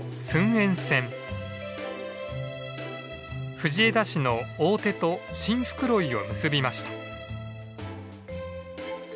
藤枝市の大手と新袋井を結びました。